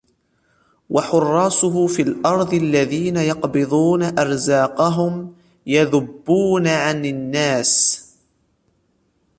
وَحُرَّاسُهُ فِي الْأَرْضِ الَّذِينَ يَقْبِضُونَ أَرْزَاقَهُمْ يَذُبُّونَ عَنْ النَّاسِ